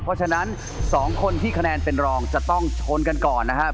เพราะฉะนั้น๒คนที่คะแนนเป็นรองจะต้องชนกันก่อนนะครับ